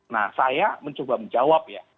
nah saya mencoba menjawab ya